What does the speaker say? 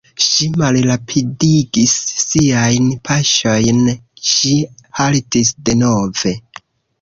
Ŝi malrapidigis siajn paŝojn, ŝi haltis denove.